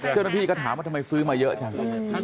เจ้าหน้าที่ก็ถามว่าทำไมซื้อมาเยอะจัง